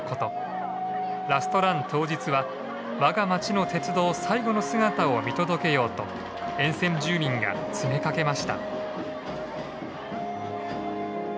ラストラン当日は我が町の鉄道最後の姿を見届けようと沿線住民が詰めかけました。